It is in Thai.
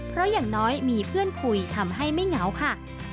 เพราะอย่างน้อยมีเพื่อนคุยทำให้ไม่เหงาค่ะ